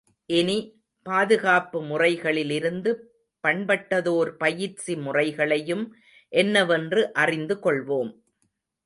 இனி, பாதுகாப்பு முறைகளிலிருந்து பண்பட்டதோர் பயிற்சி முறைகளையும் என்னவென்று அறிந்து கொள்வோம்.